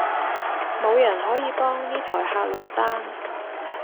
無人可以幫呢枱客落單